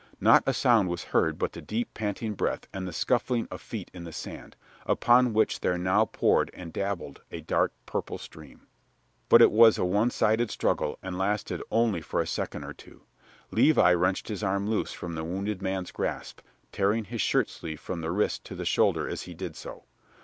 Not a sound was heard but the deep, panting breath and the scuffling of feet in the sand, upon which there now poured and dabbled a dark purple stream. But it was a one sided struggle and lasted only for a second or two. Levi wrenched his arm loose from the wounded man's grasp, tearing his shirt sleeve from the wrist to the shoulder as he did so.